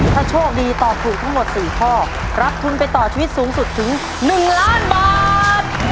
ถ้าโชคดีตอบถูกทั้งหมด๔ข้อรับทุนไปต่อชีวิตสูงสุดถึง๑ล้านบาท